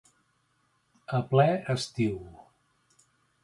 A ple estiu.